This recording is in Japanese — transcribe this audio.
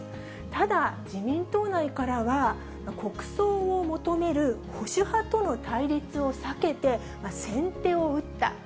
ただ、自民党内からは、国葬を求める保守派との対立を避けて先手を打った。